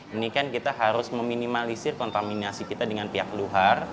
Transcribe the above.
ini kan kita harus meminimalisir kontaminasi kita dengan pihak luar